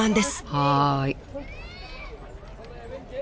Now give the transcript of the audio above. はい。